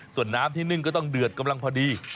ส่วนน้ำที่นึ่งก็ต้องเดือดกำลังพอดี